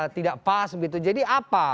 tidak pas begitu jadi apa